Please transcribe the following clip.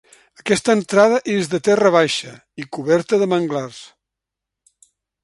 Aquesta entrada és de terra baixa i coberta de manglars.